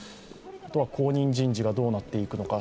後任人事がどうなっていくのか。